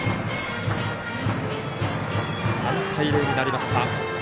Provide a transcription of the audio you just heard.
３対０になりました。